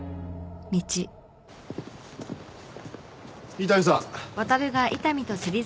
伊丹さん。